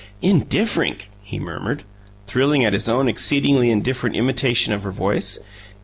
"'Indifferink'!" he murmured, thrilling at his own exceedingly indifferent imitation of her voice.